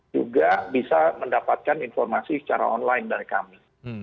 juga bisa mendapatkan informasi secara online dari kami